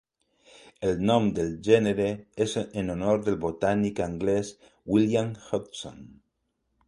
El nom del gènere és en honor del botànic anglès William Hudson.